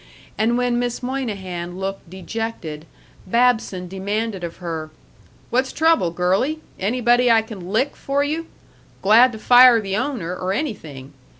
And when Miss Moynihan looked dejected, Babson demanded of her, "What's trouble, girlie? Anybody I can lick for you? Glad to fire the owner, or anything.